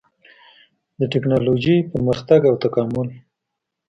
د ټېکنالوجۍ پرمختګ او تکامل